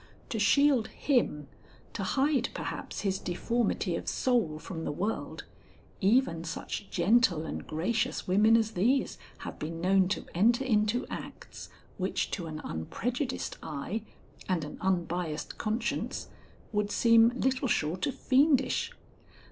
To shield him, to hide perhaps his deformity of soul from the world, even such gentle and gracious women as these have been known to enter into acts which to an unprejudiced eye and an unbiased conscience would seem little short of fiendish.